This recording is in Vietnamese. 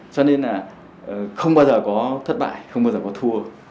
cho nên là không bao giờ có thất bại không bao giờ có thua